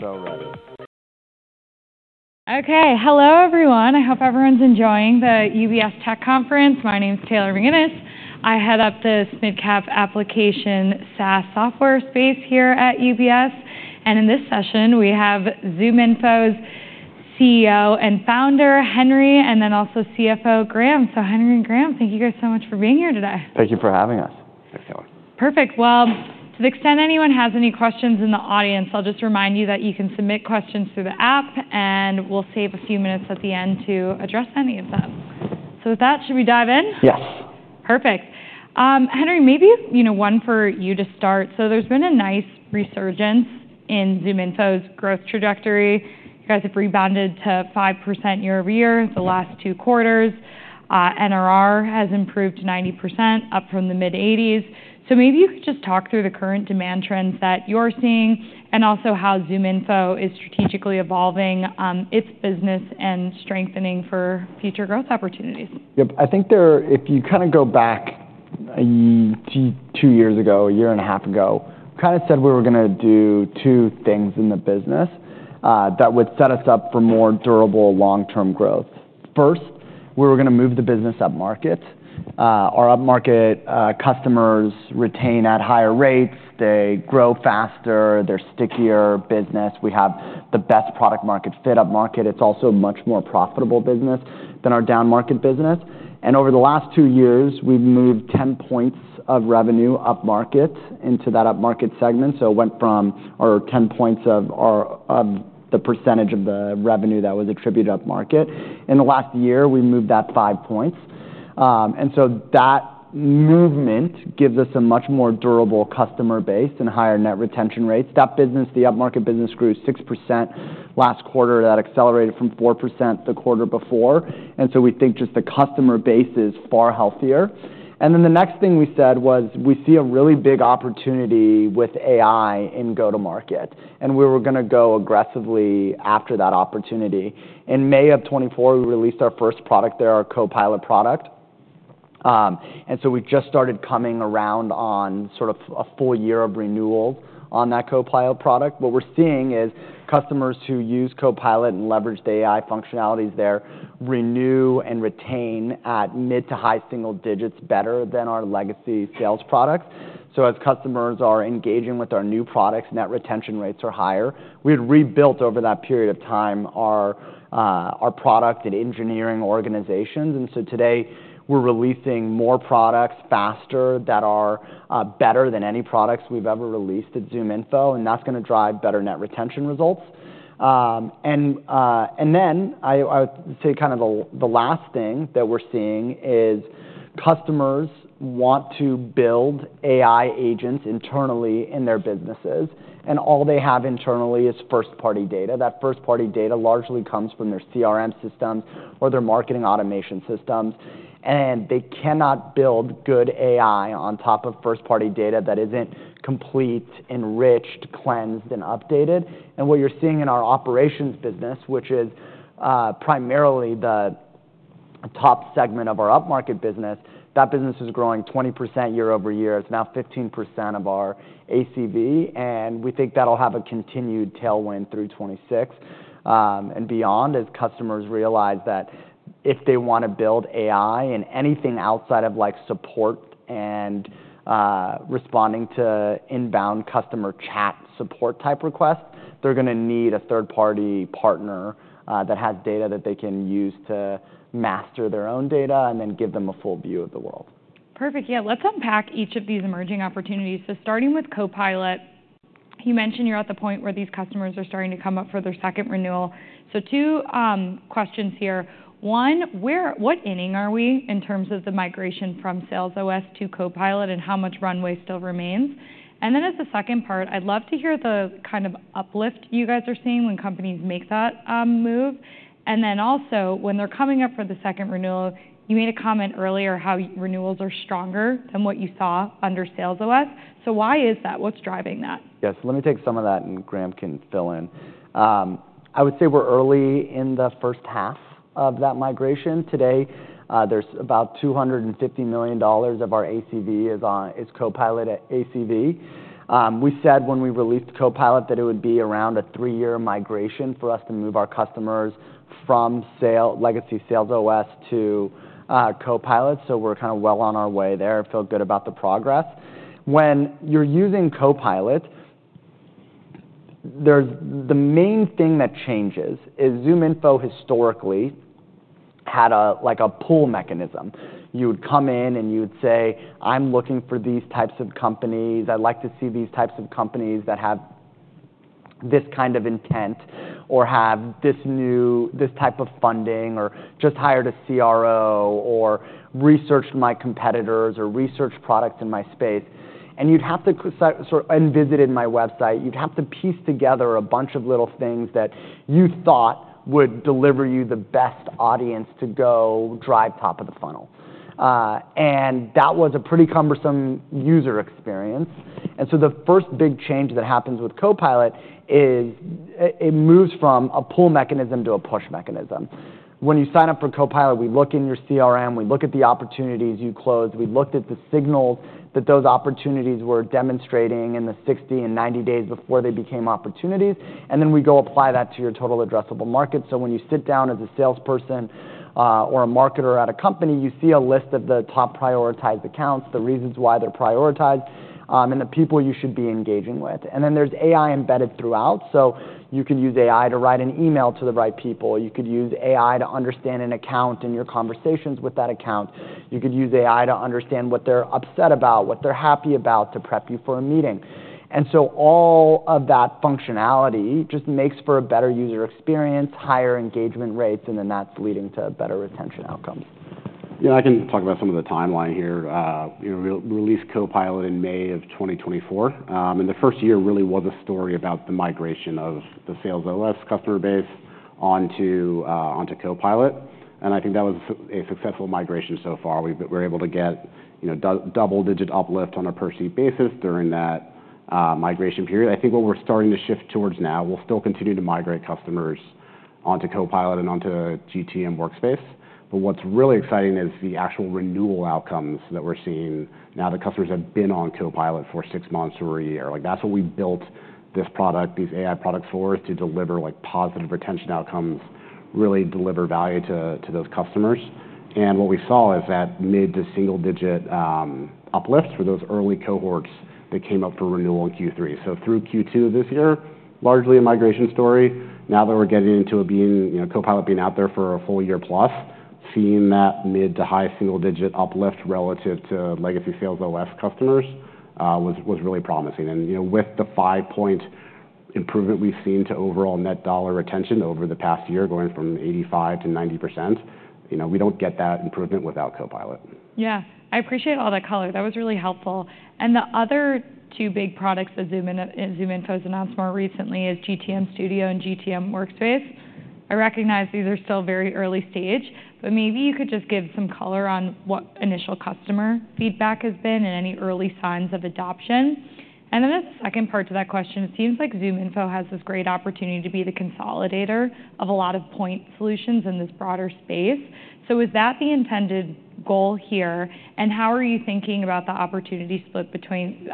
Okay, hello everyone. I hope everyone's enjoying the UBS Tech Conference. My name's Taylor McGinnis. I head up the SMID-Cap SaaS Software Space here at UBS, and in this session, we have ZoomInfo's CEO and founder, Henry, and then also CFO, Graham, so Henry and Graham, thank you guys so much for being here today. Thank you for having us. Thanks, Taylor. Perfect. To the extent anyone has any questions in the audience, I'll just remind you that you can submit questions through the app, and we'll save a few minutes at the end to address any of them. With that, should we dive in? Yes. Perfect. Henry, maybe one for you to start, so there's been a nice resurgence in ZoomInfo's growth trajectory. You guys have rebounded to 5% year over year the last two quarters. NRR has improved to 90%, up from the mid-80s%, so maybe you could just talk through the current demand trends that you're seeing and also how ZoomInfo is strategically evolving its business and strengthening for future growth opportunities. Yep. I think if you kind of go back two years ago, a year and a half ago, we kind of said we were going to do two things in the business that would set us up for more durable long-term growth. First, we were going to move the business up market. Our up market customers retain at higher rates. They grow faster. They're a stickier business. We have the best product-market fit up market. It's also a much more profitable business than our down market business. And over the last two years, we've moved 10 points of revenue up market into that up market segment. So it went from our 10 points of the percentage of the revenue that was attributed up market. In the last year, we moved that five points. And so that movement gives us a much more durable customer base and higher net retention rates. That business, the up market business, grew 6% last quarter. That accelerated from 4% the quarter before. And so we think just the customer base is far healthier. And then the next thing we said was we see a really big opportunity with AI in go-to-market. And we were going to go aggressively after that opportunity. In May of 2024, we released our first product there, our Copilot product. And so we've just started coming around on sort of a full year of renewals on that Copilot product. What we're seeing is customers who use Copilot and leverage the AI functionalities there renew and retain at mid to high single digits better than our legacy sales products. So as customers are engaging with our new products, net retention rates are higher. We had rebuilt over that period of time our product and engineering organizations. And so today, we're releasing more products faster that are better than any products we've ever released at ZoomInfo. And that's going to drive better net retention results. And then I would say kind of the last thing that we're seeing is customers want to build AI agents internally in their businesses. And all they have internally is first-party data. That first-party data largely comes from their CRM systems or their marketing automation systems. And they cannot build good AI on top of first-party data that isn't complete, enriched, cleansed, and updated. And what you're seeing in our operations business, which is primarily the top segment of our up market business, that business is growing 20% year over year. It's now 15% of our ACV. We think that'll have a continued tailwind through 2026 and beyond as customers realize that if they want to build AI and anything outside of support and responding to inbound customer chat support type requests, they're going to need a third-party partner that has data that they can use to master their own data and then give them a full view of the world. Perfect. Yeah, let's unpack each of these emerging opportunities. So starting with Copilot, you mentioned you're at the point where these customers are starting to come up for their second renewal. So two questions here. One, what inning are we in terms of the migration from SalesOS to Copilot and how much runway still remains? And then as a second part, I'd love to hear the kind of uplift you guys are seeing when companies make that move. And then also when they're coming up for the second renewal, you made a comment earlier how renewals are stronger than what you saw under SalesOS. So why is that? What's driving that? Yes, let me take some of that and Graham can fill in. I would say we're early in the first half of that migration. Today, there's about $250 million of our ACV is Copilot ACV. We said when we released Copilot that it would be around a three-year migration for us to move our customers from legacy SalesOS to Copilot. So we're kind of well on our way there. I feel good about the progress. When you're using Copilot, the main thing that changes is ZoomInfo historically had a pull mechanism. You would log in and you would say, "I'm looking for these types of companies. I'd like to see these types of companies that have this kind of intent or have this type of funding or just hired a CRO or researched my competitors or researched products in my space." And you'd have to log in to my website. You'd have to piece together a bunch of little things that you thought would deliver you the best audience to go drive top of the funnel. And that was a pretty cumbersome user experience. And so the first big change that happens with Copilot is it moves from a pull mechanism to a push mechanism. When you sign up for Copilot, we look in your CRM, we look at the opportunities you closed, we looked at the signals that those opportunities were demonstrating in the 60 and 90 days before they became opportunities. And then we go apply that to your total addressable market. So when you sit down as a salesperson or a marketer at a company, you see a list of the top prioritized accounts, the reasons why they're prioritized, and the people you should be engaging with. And then there's AI embedded throughout. So you could use AI to write an email to the right people. You could use AI to understand an account in your conversations with that account. You could use AI to understand what they're upset about, what they're happy about, to prep you for a meeting. And so all of that functionality just makes for a better user experience, higher engagement rates, and then that's leading to better retention outcomes. Yeah, I can talk about some of the timeline here. We released Copilot in May of 2024, and the first year really was a story about the migration of the SalesOS customer base onto Copilot, and I think that was a successful migration so far. We were able to get double-digit uplift on a per-seat basis during that migration period. I think what we're starting to shift towards now, we'll still continue to migrate customers onto Copilot and onto GTM Workspace, but what's really exciting is the actual renewal outcomes that we're seeing now that customers have been on Copilot for six months or a year. That's what we built this product, these AI products for, is to deliver positive retention outcomes, really deliver value to those customers, and what we saw is that mid- to single-digit uplift for those early cohorts that came up for renewal in Q3. Through Q2 of this year, largely a migration story. Now that we're getting into Copilot being out there for a full year plus, seeing that mid to high single-digit uplift relative to legacy SalesOS customers was really promising. With the 5-point improvement we've seen to overall net dollar retention over the past year, going from 85%-90%, we don't get that improvement without Copilot. Yeah, I appreciate all that color. That was really helpful. And the other two big products that ZoomInfo has announced more recently are GTM Studio and GTM Workspace. I recognize these are still very early stage, but maybe you could just give some color on what initial customer feedback has been and any early signs of adoption. And then as a second part to that question, it seems like ZoomInfo has this great opportunity to be the consolidator of a lot of point solutions in this broader space. So is that the intended goal here? And how are you thinking about the opportunity split between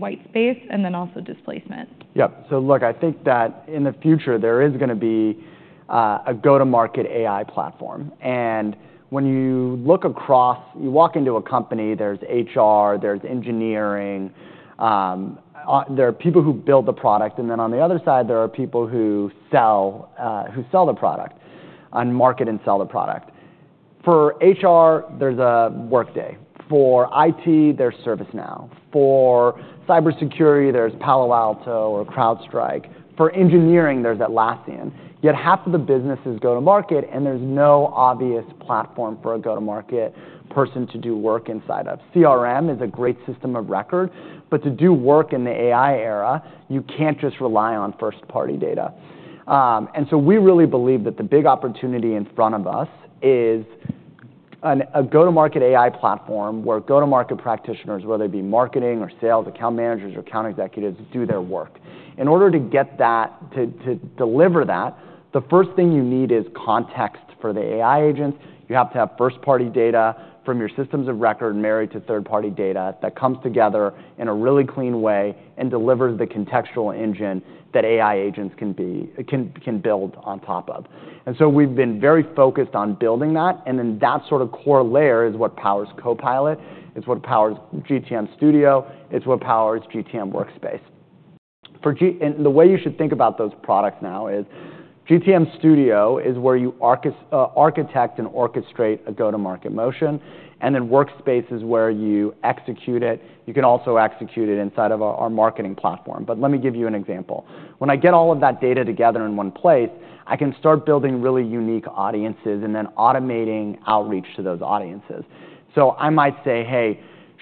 white space and then also displacement? Yep. So look, I think that in the future, there is going to be a go-to-market AI platform. And when you look across, you walk into a company, there's HR, there's engineering, there are people who build the product. And then on the other side, there are people who sell the product and market and sell the product. For HR, there's a Workday. For IT, there's ServiceNow. For cybersecurity, there's Palo Alto or CrowdStrike. For engineering, there's Atlassian. Yet half of the businesses go to market, and there's no obvious platform for a go-to-market person to do work inside of. CRM is a great system of record, but to do work in the AI era, you can't just rely on first-party data. And so we really believe that the big opportunity in front of us is a go-to-market AI platform where go-to-market practitioners, whether it be marketing or sales, account managers or account executives, do their work. In order to deliver that, the first thing you need is context for the AI agents. You have to have first-party data from your systems of record married to third-party data that comes together in a really clean way and delivers the contextual engine that AI agents can build on top of. And so we've been very focused on building that. And then that sort of core layer is what powers Copilot. It's what powers GTM Studio. It's what powers GTM Workspace. And the way you should think about those products now is GTM Studio is where you architect and orchestrate a go-to-market motion. And then Workspace is where you execute it. You can also execute it inside of our marketing platform. But let me give you an example. When I get all of that data together in one place, I can start building really unique audiences and then automating outreach to those audiences. So I might say, "Hey,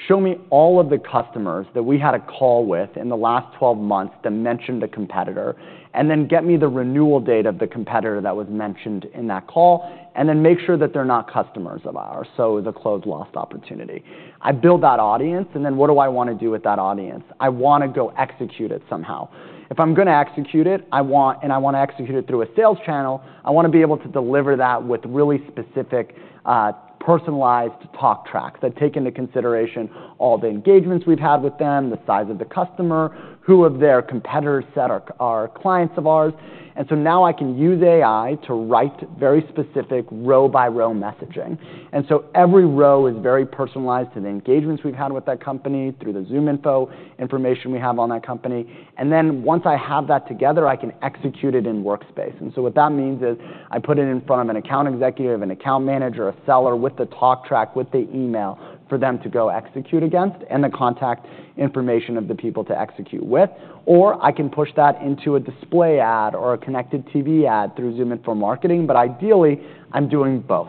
show me all of the customers that we had a call with in the last 12 months that mentioned a competitor, and then get me the renewal date of the competitor that was mentioned in that call, and then make sure that they're not customers of ours," so the closed loss opportunity. I build that audience, and then what do I want to do with that audience? I want to go execute it somehow. If I'm going to execute it, and I want to execute it through a sales channel, I want to be able to deliver that with really specific personalized talk tracks that take into consideration all the engagements we've had with them, the size of the customer, who of their competitors are clients of ours. And so now I can use AI to write very specific row-by-row messaging. And so every row is very personalized to the engagements we've had with that company through the ZoomInfo information we have on that company. And then once I have that together, I can execute it in Workspace. And so what that means is I put it in front of an account executive, an account manager, a seller with the talk track, with the email for them to go execute against and the contact information of the people to execute with. Or I can push that into a display ad or a connected TV ad through ZoomInfo Marketing. But ideally, I'm doing both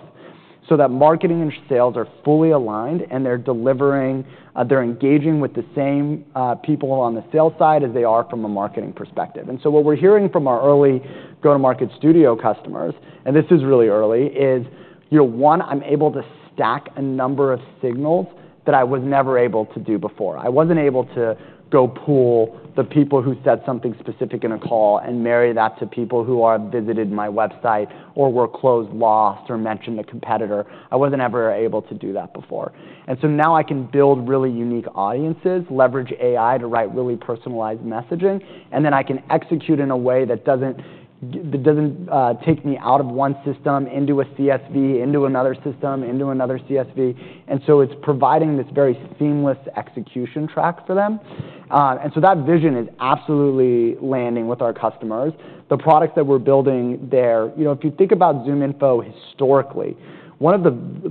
so that marketing and sales are fully aligned and they're engaging with the same people on the sales side as they are from a marketing perspective. And so what we're hearing from our early go-to-market studio customers, and this is really early, is, one, I'm able to stack a number of signals that I was never able to do before. I wasn't able to go pull the people who said something specific in a call and marry that to people who have visited my website or were closed, lost, or mentioned a competitor. I wasn't ever able to do that before. And so now I can build really unique audiences, leverage AI to write really personalized messaging, and then I can execute in a way that doesn't take me out of one system into a CSV, into another system, into another CSV. And so it's providing this very seamless execution track for them. And so that vision is absolutely landing with our customers. The products that we're building there, if you think about ZoomInfo historically, one of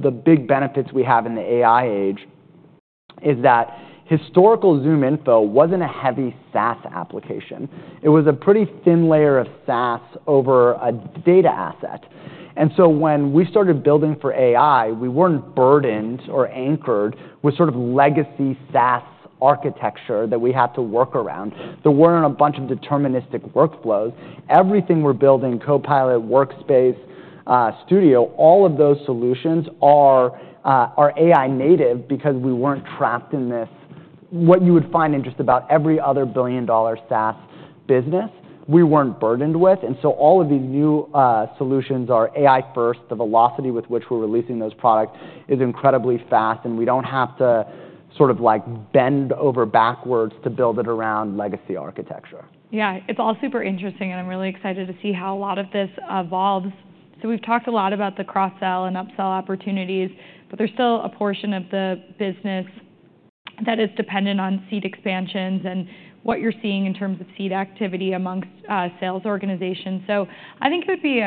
the big benefits we have in the AI age is that historical ZoomInfo wasn't a heavy SaaS application. It was a pretty thin layer of SaaS over a data asset. And so when we started building for AI, we weren't burdened or anchored with sort of legacy SaaS architecture that we had to work around. There weren't a bunch of deterministic workflows. Everything we're building, Copilot, Workspace, Studio, all of those solutions are AI-native because we weren't trapped in this, what you would find interesting about every other billion-dollar SaaS business, we weren't burdened with, and so all of these new solutions are AI-first. The velocity with which we're releasing those products is incredibly fast, and we don't have to sort of bend over backwards to build it around legacy architecture. Yeah, it's all super interesting, and I'm really excited to see how a lot of this evolves. So we've talked a lot about the cross-sell and upsell opportunities, but there's still a portion of the business that is dependent on seed expansions and what you're seeing in terms of seed activity amongst sales organizations. So I think it would be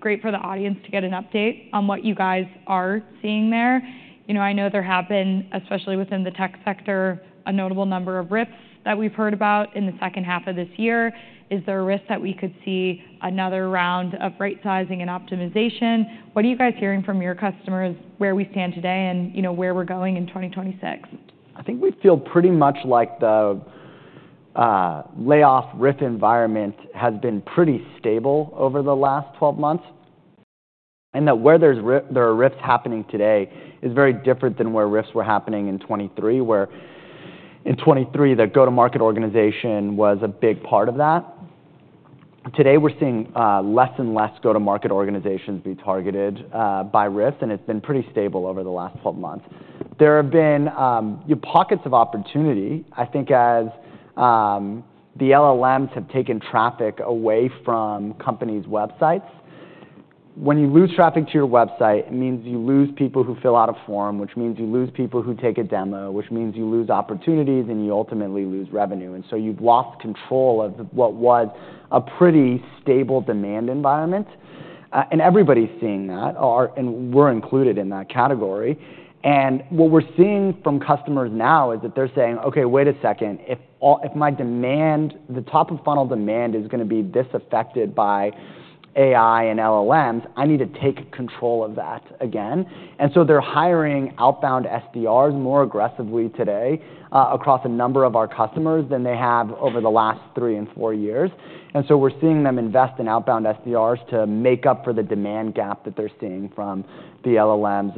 great for the audience to get an update on what you guys are seeing there. I know there have been, especially within the tech sector, a notable number of RIFs that we've heard about in the second half of this year. Is there a risk that we could see another round of right-sizing and optimization? What are you guys hearing from your customers where we stand today and where we're going in 2026? I think we feel pretty much like the layoff risk environment has been pretty stable over the last 12 months, and that where there are risks happening today is very different than where risks were happening in 2023, where in 2023, the go-to-market organization was a big part of that. Today, we're seeing less and less go-to-market organizations be targeted by risks, and it's been pretty stable over the last 12 months. There have been pockets of opportunity. I think as the LLMs have taken traffic away from companies' websites, when you lose traffic to your website, it means you lose people who fill out a form, which means you lose people who take a demo, which means you lose opportunities, and you ultimately lose revenue, and so you've lost control of what was a pretty stable demand environment. And everybody's seeing that, and we're included in that category. What we're seeing from customers now is that they're saying, "Okay, wait a second. If my demand, the top-of-funnel demand, is going to be this affected by AI and LLMs, I need to take control of that again." They're hiring outbound SDRs more aggressively today across a number of our customers than they have over the last three and four years. We're seeing them invest in outbound SDRs to make up for the demand gap that they're seeing from the LLMs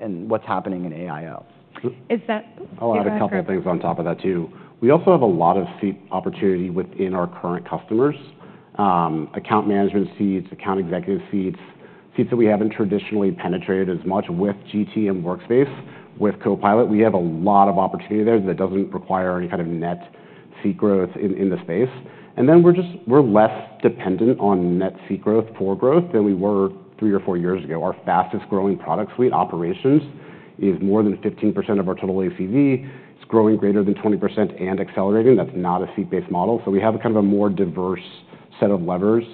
and what's happening in SEO. I'll add a couple of things on top of that too. We also have a lot of seat opportunity within our current customers, account management seats, account executive seats, seats that we haven't traditionally penetrated as much with GTM Workspace. With Copilot, we have a lot of opportunity there that doesn't require any kind of net seat growth in the space. And then we're less dependent on net seat growth for growth than we were three or four years ago. Our fastest-growing product suite operations is more than 15% of our total ACV. It's growing greater than 20% and accelerating. That's not a seat-based model. So we have kind of a more diverse set of levers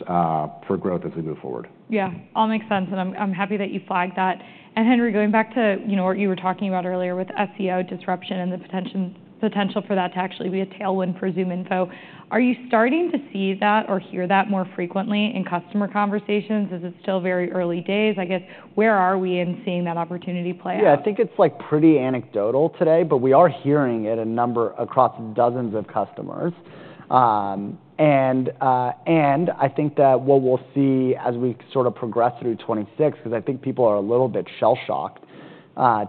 for growth as we move forward. Yeah, all makes sense. And I'm happy that you flagged that. And Henry, going back to what you were talking about earlier with SEO disruption and the potential for that to actually be a tailwind for ZoomInfo, are you starting to see that or hear that more frequently in customer conversations? Is it still very early days? I guess, where are we in seeing that opportunity play out? Yeah, I think it's pretty anecdotal today, but we are hearing it across dozens of customers. And I think that what we'll see as we sort of progress through 2026, because I think people are a little bit shell-shocked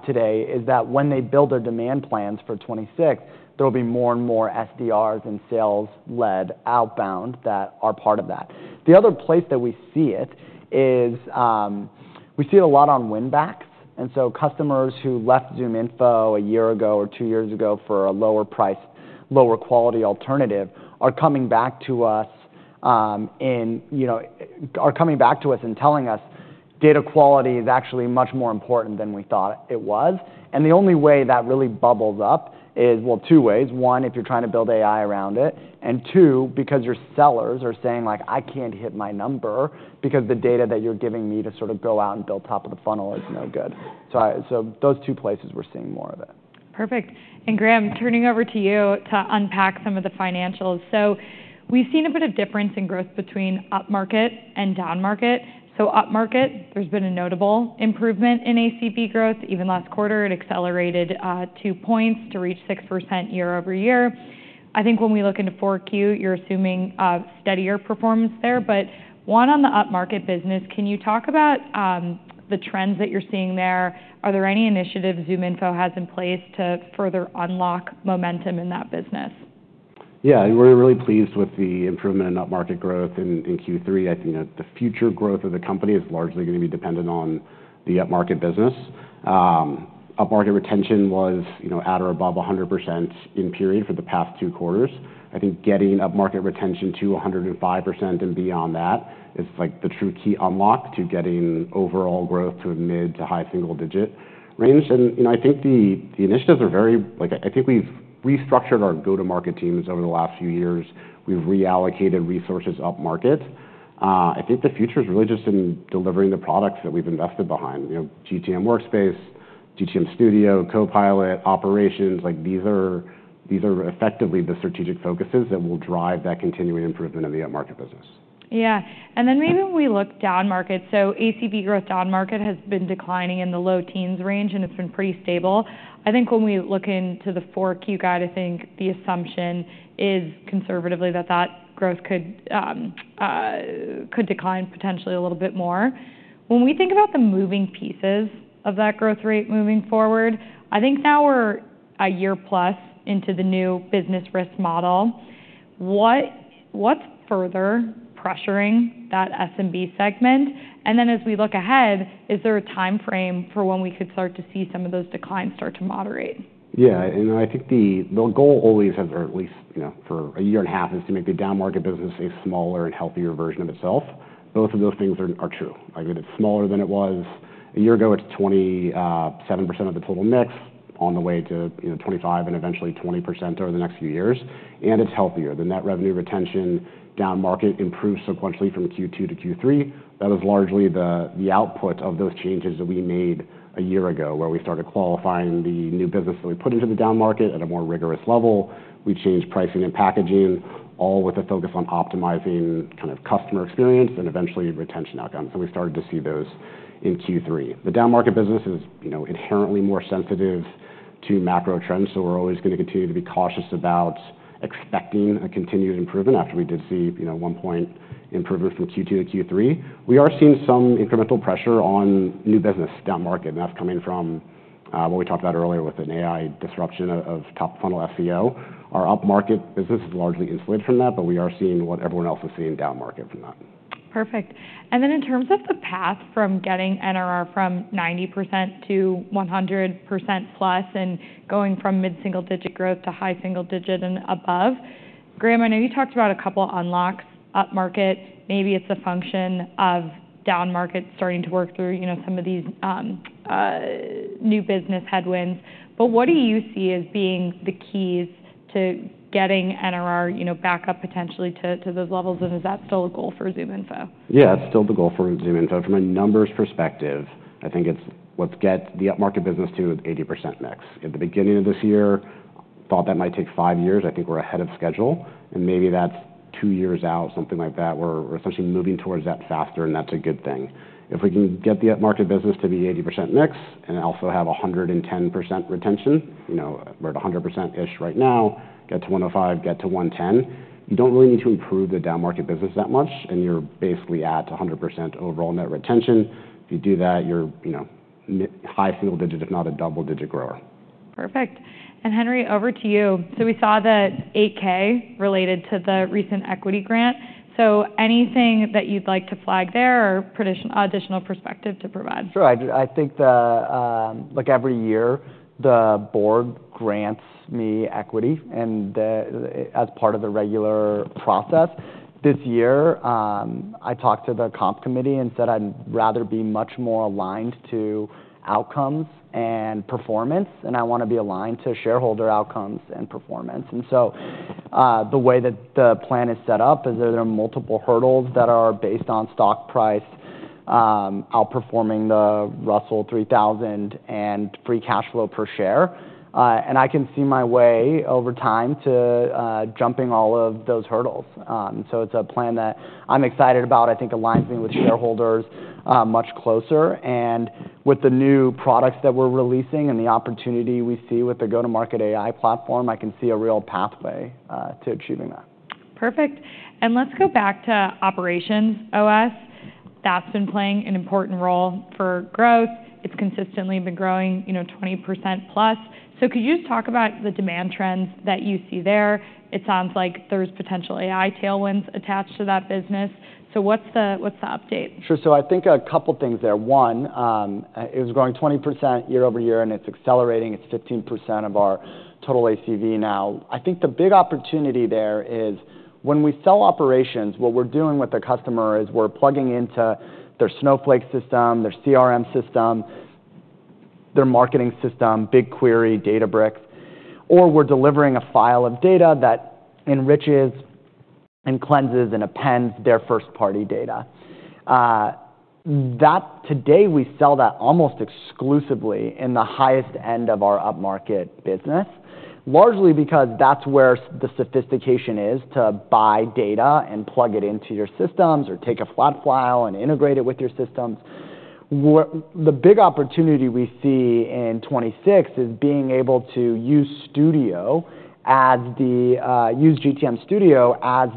today, is that when they build their demand plans for 2026, there will be more and more SDRs and sales-led outbound that are part of that. The other place that we see it is we see it a lot on win-backs. And so customers who left ZoomInfo a year ago or two years ago for a lower-priced, lower-quality alternative are coming back to us and are coming back to us and telling us data quality is actually much more important than we thought it was. And the only way that really bubbles up is, well, two ways. One, if you're trying to build AI around it. And two, because your sellers are saying, "I can't hit my number because the data that you're giving me to sort of go out and build top of the funnel is no good." So those two places we're seeing more of it. Perfect. And Graham, turning over to you to unpack some of the financials. So we've seen a bit of difference in growth between upmarket and downmarket. So upmarket, there's been a notable improvement in ACV growth. Even last quarter, it accelerated two points to reach 6% year over year. I think when we look into 4Q, you're assuming steadier performance there. But on the upmarket business, can you talk about the trends that you're seeing there? Are there any initiatives ZoomInfo has in place to further unlock momentum in that business? Yeah, we're really pleased with the improvement in upmarket growth in Q3. I think the future growth of the company is largely going to be dependent on the upmarket business. Upmarket retention was at or above 100% in period for the past two quarters. I think getting upmarket retention to 105% and beyond that is the true key unlock to getting overall growth to a mid- to high-single-digit range. And I think the initiatives are very. I think we've restructured our go-to-market teams over the last few years. We've reallocated resources upmarket. I think the future is really just in delivering the products that we've invested behind: GTM Workspace, GTM Studio, Copilot, operations. These are effectively the strategic focuses that will drive that continuing improvement in the upmarket business. Yeah. And then maybe when we look downmarket, so ACV growth downmarket has been declining in the low teens range, and it's been pretty stable. I think when we look into the 4Q guide, I think the assumption is conservatively that that growth could decline potentially a little bit more. When we think about the moving pieces of that growth rate moving forward, I think now we're a year plus into the new business risk model. What's further pressuring that SMB segment? And then as we look ahead, is there a time frame for when we could start to see some of those declines start to moderate? Yeah, I think the goal always has, or at least for a year and a half, is to make the downmarket business a smaller and healthier version of itself. Both of those things are true. I mean, it's smaller than it was a year ago. It's 27% of the total mix on the way to 25% and eventually 20% over the next few years. And it's healthier. The net revenue retention downmarket improves sequentially from Q2 to Q3. That was largely the output of those changes that we made a year ago where we started qualifying the new business that we put into the downmarket at a more rigorous level. We changed pricing and packaging, all with a focus on optimizing kind of customer experience and eventually retention outcomes. And we started to see those in Q3. The downmarket business is inherently more sensitive to macro trends, so we're always going to continue to be cautious about expecting a continued improvement after we did see one-point improvement from Q2 to Q3. We are seeing some incremental pressure on new business downmarket, and that's coming from what we talked about earlier with an AI disruption of top-funnel SEO. Our upmarket business is largely insulated from that, but we are seeing what everyone else is seeing downmarket from that. Perfect, and then in terms of the path from getting NRR from 90% to 100% plus and going from mid-single-digit growth to high single-digit and above, Graham. I know you talked about a couple of unlocks upmarket. Maybe it's a function of downmarket starting to work through some of these new business headwinds, but what do you see as being the keys to getting NRR back up potentially to those levels, and is that still a goal for ZoomInfo? Yeah, that's still the goal for ZoomInfo. From a numbers perspective, I think it's let's get the upmarket business to an 80% mix. At the beginning of this year, I thought that might take five years. I think we're ahead of schedule, and maybe that's two years out, something like that. We're essentially moving towards that faster, and that's a good thing. If we can get the upmarket business to be 80% mix and also have 110% retention, we're at 100%-ish right now, get to 105%, get to 110%, you don't really need to improve the downmarket business that much, and you're basically at 100% overall net retention. If you do that, you're high single-digit, if not a double-digit grower. Perfect. And Henry, over to you. So we saw that 8K related to the recent equity grant. So anything that you'd like to flag there or additional perspective to provide? Sure. I think every year the board grants me equity as part of the regular process. This year, I talked to the comp committee and said I'd rather be much more aligned to outcomes and performance, and I want to be aligned to shareholder outcomes and performance. And so the way that the plan is set up is there are multiple hurdles that are based on stock price outperforming the Russell 3000 and free cash flow per share. And I can see my way over time to jumping all of those hurdles. So it's a plan that I'm excited about. I think it aligns me with shareholders much closer. And with the new products that we're releasing and the opportunity we see with the go-to-market AI platform, I can see a real pathway to achieving that. Perfect. And let's go back to OperationsOS. That's been playing an important role for growth. It's consistently been growing 20% plus. So could you just talk about the demand trends that you see there? It sounds like there's potential AI tailwinds attached to that business. So what's the update? Sure. So I think a couple of things there. One, it was growing 20% year over year, and it's accelerating. It's 15% of our total ACV now. I think the big opportunity there is when we sell operations, what we're doing with the customer is we're plugging into their Snowflake system, their CRM system, their marketing system, BigQuery, Databricks, or we're delivering a file of data that enriches and cleanses and appends their first-party data. Today, we sell that almost exclusively in the highest end of our upmarket business, largely because that's where the sophistication is to buy data and plug it into your systems or take a flat file and integrate it with your systems. The big opportunity we see in 2026 is being able to use GTM Studio as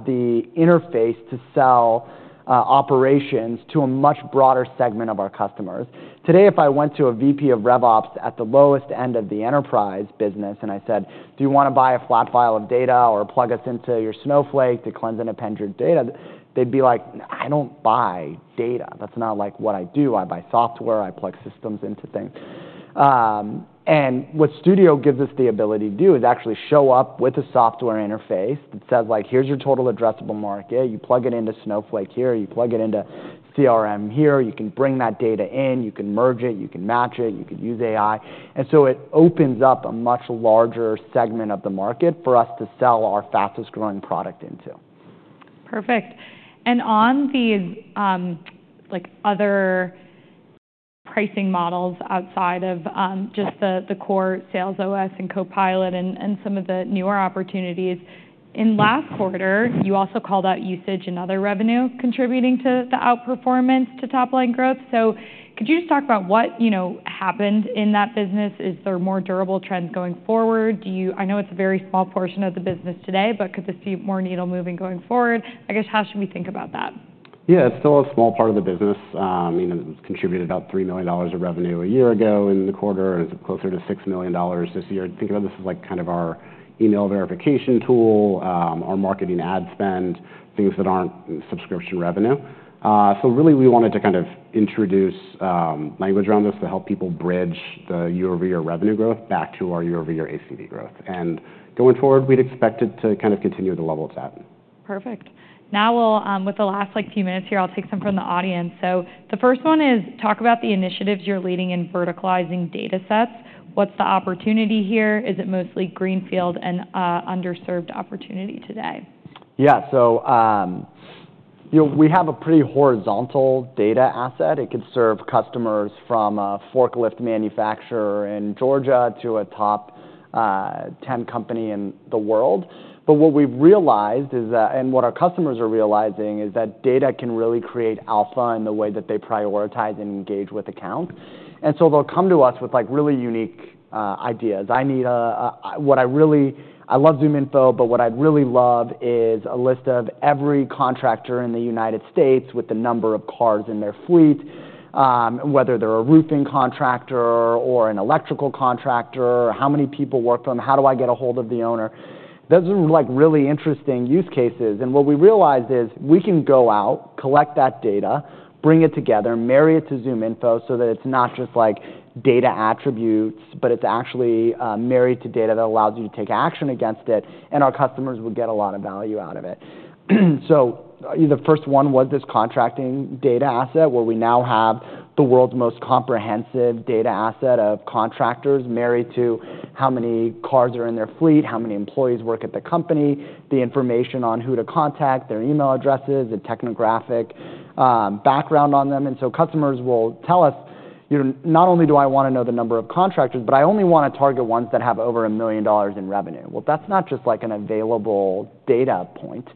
the interface to sell operations to a much broader segment of our customers. Today, if I went to a VP of RevOps at the lowest end of the enterprise business and I said, "Do you want to buy a flat file of data or plug us into your Snowflake to cleanse and append your data?" they'd be like, "I don't buy data. That's not like what I do. I buy software. I plug systems into things." And what Studio gives us the ability to do is actually show up with a software interface that says like, "Here's your total addressable market. You plug it into Snowflake here. You plug it into CRM here. You can bring that data in. You can merge it. You can match it. You can use AI." And so it opens up a much larger segment of the market for us to sell our fastest-growing product into. Perfect. On the other pricing models outside of just the core SalesOS and Copilot and some of the newer opportunities, in last quarter, you also called out usage and other revenue contributing to the outperformance to top-line growth. Could you just talk about what happened in that business? Is there more durable trends going forward? I know it's a very small portion of the business today, but could this be more needle-moving going forward? I guess, how should we think about that? Yeah, it's still a small part of the business. It contributed about $3 million of revenue a year ago in the quarter, and it's closer to $6 million this year. Think of this as kind of our email verification tool, our marketing ad spend, things that aren't subscription revenue. So really, we wanted to kind of introduce language around this to help people bridge the year-over-year revenue growth back to our year-over-year ACV growth. And going forward, we'd expect it to kind of continue at the level it's at. Perfect. Now, with the last few minutes here, I'll take some from the audience. So the first one is talk about the initiatives you're leading in verticalizing data sets. What's the opportunity here? Is it mostly greenfield and underserved opportunity today? Yeah. So we have a pretty horizontal data asset. It could serve customers from a forklift manufacturer in Georgia to a top 10 company in the world. But what we've realized is that, and what our customers are realizing, is that data can really create alpha in the way that they prioritize and engage with accounts. And so they'll come to us with really unique ideas. What I really love ZoomInfo, but what I'd really love is a list of every contractor in the United States with the number of cars in their fleet, whether they're a roofing contractor or an electrical contractor, how many people work for them, how do I get a hold of the owner. Those are really interesting use cases. What we realized is we can go out, collect that data, bring it together, marry it to ZoomInfo so that it's not just data attributes, but it's actually married to data that allows you to take action against it, and our customers will get a lot of value out of it. The first one was this contracting data asset where we now have the world's most comprehensive data asset of contractors married to how many cars are in their fleet, how many employees work at the company, the information on who to contact, their email addresses, the technographic background on them. Customers will tell us, "Not only do I want to know the number of contractors, but I only want to target ones that have over $1 million in revenue." That's not just an available data point.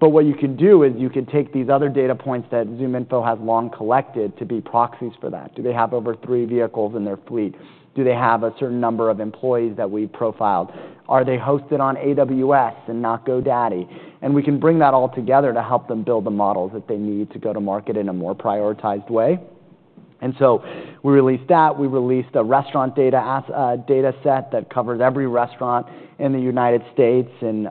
But what you can do is you can take these other data points that ZoomInfo has long collected to be proxies for that. Do they have over three vehicles in their fleet? Do they have a certain number of employees that we've profiled? Are they hosted on AWS and not GoDaddy? And we can bring that all together to help them build the models that they need to go to market in a more prioritized way. And so we released that. We released a restaurant data set that covers every restaurant in the United States and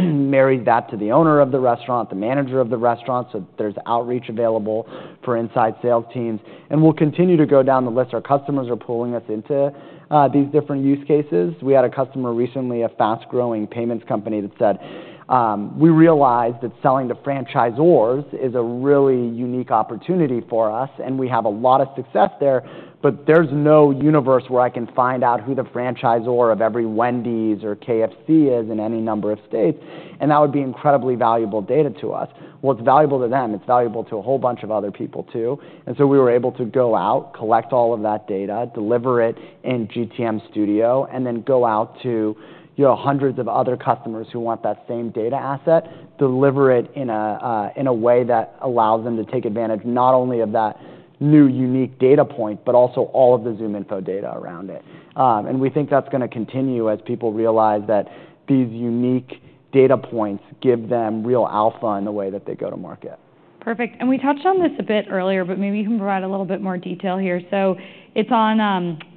married that to the owner of the restaurant, the manager of the restaurant, so there's outreach available for inside sales teams. And we'll continue to go down the list. Our customers are pulling us into these different use cases. We had a customer recently, a fast-growing payments company that said, "We realized that selling to franchisors is a really unique opportunity for us, and we have a lot of success there, but there's no universe where I can find out who the franchisor of every Wendy's or KFC is in any number of states, and that would be incredibly valuable data to us." It's valuable to them. It's valuable to a whole bunch of other people too. We were able to go out, collect all of that data, deliver it in GTM Studio, and then go out to hundreds of other customers who want that same data asset, deliver it in a way that allows them to take advantage not only of that new unique data point, but also all of the ZoomInfo data around it. We think that's going to continue as people realize that these unique data points give them real alpha in the way that they go to market. Perfect. And we touched on this a bit earlier, but maybe you can provide a little bit more detail here. So it's on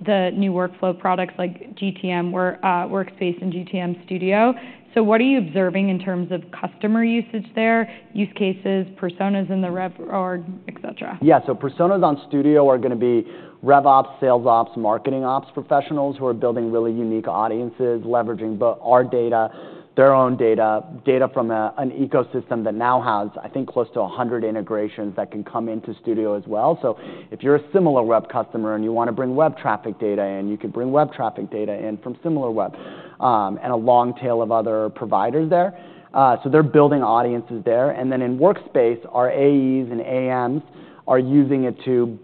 the new workflow products like GTM Workspace and GTM Studio. So what are you observing in terms of customer usage there, use cases, personas in the rep org, etc.? Yeah. So personas on Studio are going to be RevOps, SalesOps, MarketingOps professionals who are building really unique audiences, leveraging our data, their own data, data from an ecosystem that now has, I think, close to 100 integrations that can come into Studio as well. So if you're a Similarweb customer and you want to bring web traffic data in, you could bring web traffic data in from Similarweb and a long tail of other providers there. So they're building audiences there. And then in Workspace, our AEs and AMs are using it to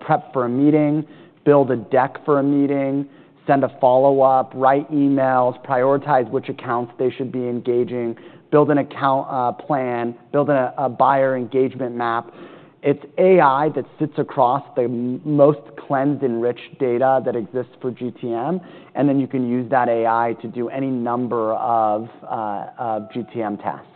prep for a meeting, build a deck for a meeting, send a follow-up, write emails, prioritize which accounts they should be engaging, build an account plan, build a buyer engagement map. It's AI that sits across the most cleansed, enriched data that exists for GTM, and then you can use that AI to do any number of GTM tasks.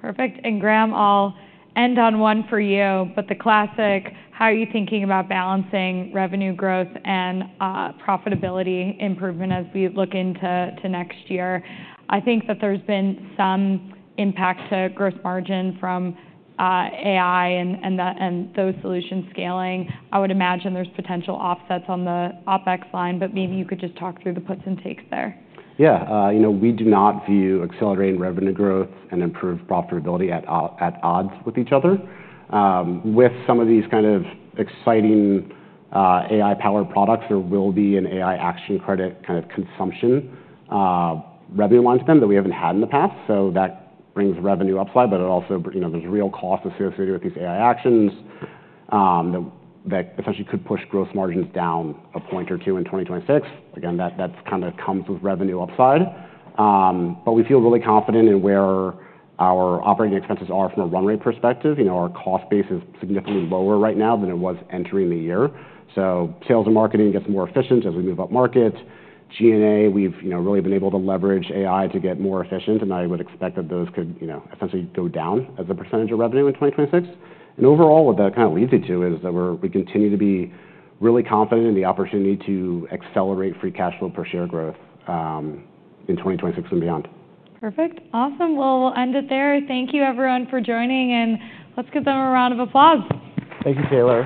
Perfect. And Graham, I'll end on one for you, but the classic, how are you thinking about balancing revenue growth and profitability improvement as we look into next year? I think that there's been some impact to gross margin from AI and those solutions scaling. I would imagine there's potential offsets on the OpEx line, but maybe you could just talk through the puts and takes there. Yeah. We do not view accelerating revenue growth and improved profitability at odds with each other. With some of these kind of exciting AI-powered products, there will be an AI action credit kind of consumption revenue line spend that we haven't had in the past. So that brings revenue upside, but also there's real costs associated with these AI actions that essentially could push gross margins down a point or two in 2026. Again, that kind of comes with revenue upside. But we feel really confident in where our operating expenses are from a run rate perspective. Our cost base is significantly lower right now than it was entering the year. So sales and marketing gets more efficient as we move up market. G&A, we've really been able to leverage AI to get more efficient, and I would expect that those could essentially go down as a percentage of revenue in 2026, and overall, what that kind of leads you to is that we continue to be really confident in the opportunity to accelerate free cash flow per share growth in 2026 and beyond. Perfect. Awesome. Well, we'll end it there. Thank you, everyone, for joining, and let's give them a round of applause. Thank you, Taylor.